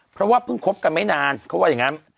เพราะว่าเพิ่งคบกันไม่นานเขาว่าอย่างนั้น